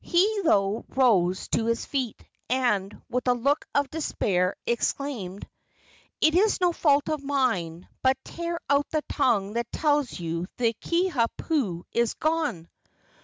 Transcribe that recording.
Hiolo rose to his feet, and, with a look of despair, exclaimed: "It is no fault of mine; but tear out the tongue that tells you the Kiha pu is gone!"